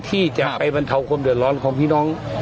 ที่จะเป็นพันธาคมเดินร้อนของพี่น้อง